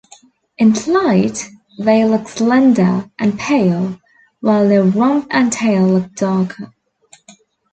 In flight, they look slender and pale, while their rump and tail look darker.